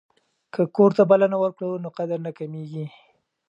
که کور ته بلنه ورکړو نو قدر نه کمیږي.